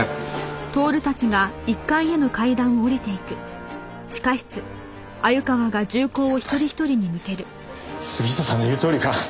やっぱり杉下さんの言うとおりか。